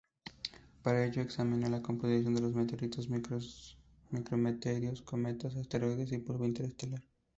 Para ello examina la composición de los meteoritos, micrometeoritos, cometas, asteroides y polvo interestelar.